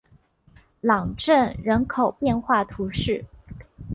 朗镇人口变化图示